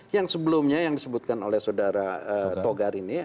yang sebelumnya yang disebutkan oleh saudara togar ini